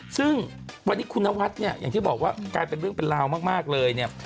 ซึ่งวันนี้คุณนวัดเนี่ยอย่างที่บอกว่ากลายเป็นเรื่องเป็นราวมากเลยเนี่ย